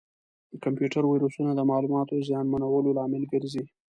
د کمپیوټر ویروسونه د معلوماتو زیانمنولو لامل ګرځي.